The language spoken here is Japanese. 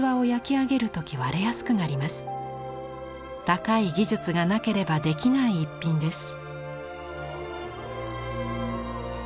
高い技術がなければできない一品です。